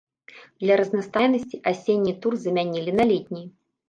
Для разнастайнасці асенні тур замянілі на летні.